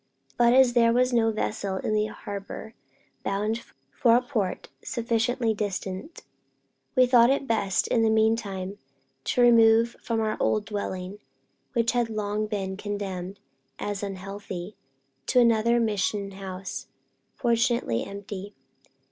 But as there was no vessel in the harbor bound for a port sufficiently distant, we thought it best, in the meantime, to remove from our old dwelling, which had long been condemned as unhealthy, to another mission house, fortunately empty.